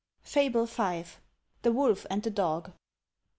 FABLE V. THE WOLF AND THE DOG.